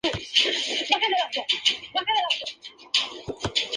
Existen sólo dos viajes que realiza la barcaza para cruzar el lago.